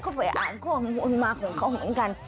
เขาไปอ่านข้อมูลมาของเขาเหมือนกัน